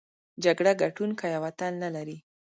جګړه ګټوونکی او اتل نلري.